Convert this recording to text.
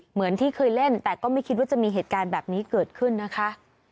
เหมือนที่เคยเล่นแต่ก็ไม่คิดว่าจะมีเหตุการณ์แบบนี้เกิดขึ้นนะคะ